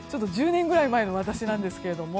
１０年くらい前の私ですが。